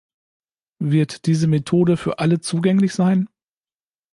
Wird diese Methode für alle zugänglich sein?